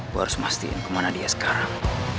gue harus memastikan kemana dia sekarang